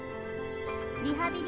リハビリ！